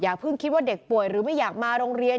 เพิ่งคิดว่าเด็กป่วยหรือไม่อยากมาโรงเรียน